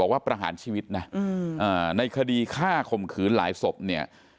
ว่าประหารชีวิตนะในคดีฆ่าข่มขืนหลายศพเนี่ย